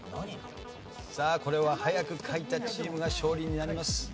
さあこれは早く書いたチームが勝利になります。